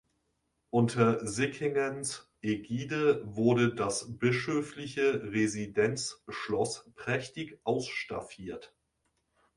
Unter Sickingens Ägide wurde das bischöfliche Residenzschloss prächtig ausstaffiert.